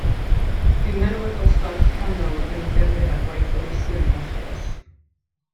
Bu menywod dosbarth canol yn ymgymryd â gwaith elusen a lles